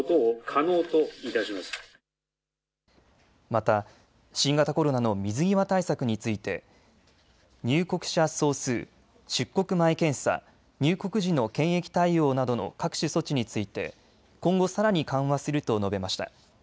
また新型コロナの水際対策について入国者総数、出国前検査、入国時の検疫対応などの各種措置について今後、さらに緩和すると述べました。